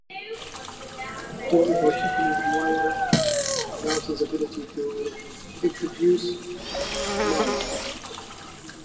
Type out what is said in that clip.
Bull particularly admired Larsen's ability to introduce mime.